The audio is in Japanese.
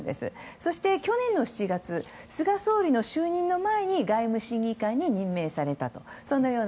そして去年７月菅総理の就任の前に外務審議官に任命されたと。